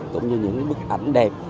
cũng như những bức ảnh đẹp